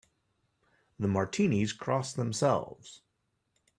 The Martinis cross themselves.